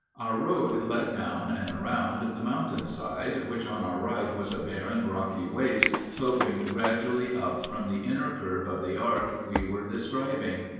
Our road led down and around the mountain side, which on our right was a barren, rocky waste, sloping gradually up from the inner curve of the arc we were describing.